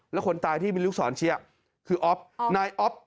แล้วคนตายที่มีลูกศรเชียคืออ๊อฟนายอ๊อฟ